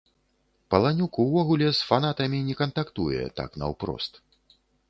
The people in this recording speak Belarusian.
Паланюк увогуле з фанатамі не кантактуе так наўпрост.